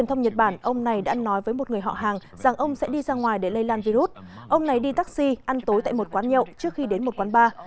ông này đi taxi ăn tối tại một quán nhậu trước khi đến một quán bar